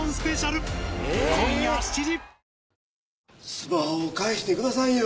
スマホを返してくださいよ。